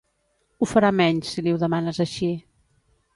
Ho farà menys, si li ho demanes així.